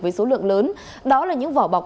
với số lượng lớn đó là những vỏ bọc